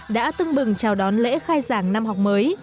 đã tưng bừng chào đón lễ khai giảng năm học mới